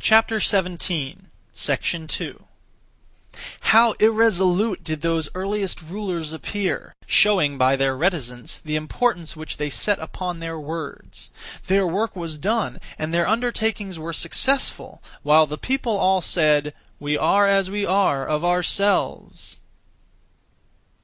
2. How irresolute did those (earliest rulers) appear, showing (by their reticence) the importance which they set upon their words! Their work was done and their undertakings were successful, while the people all said, 'We are as we are, of ourselves!'